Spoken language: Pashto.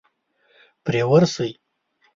پرې ورشئ.